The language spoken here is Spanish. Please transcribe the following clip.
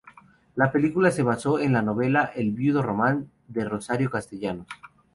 La película se basó en la novela "El viudo Román" de Rosario Castellanos.